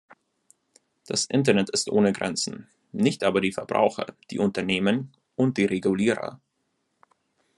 Das Internet ist ohne Grenzen, nicht aber die Verbraucher, die Unternehmen und die Regulierer.